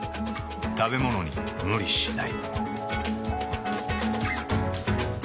食べものに無理しない。